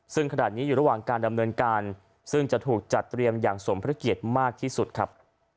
ซึ่งขณะนี้อยู่ระหว่างการดำเนินการซึ่งจะถูกจัดเตรียมอย่างสมพระเกียรติมากที่สุดครับ